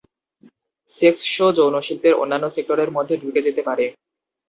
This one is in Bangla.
সেক্স শো যৌন শিল্পের অন্যান্য সেক্টরের মধ্যে ঢুকে যেতে পারে।